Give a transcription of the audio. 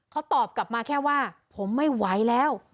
เขาตอบกลับมาแค่ว่าผมไม่ไหวแล้ว